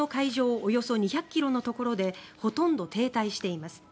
およそ２００ｋｍのところでほとんど停滞しています。